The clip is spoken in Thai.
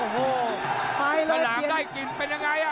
โดนท่องโดนท่องมีอาการ